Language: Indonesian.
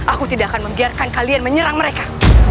aku tidak akan membiarkan kalian menyerang mereka